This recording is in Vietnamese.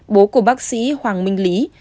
bố của bác sĩ hoàng minh lý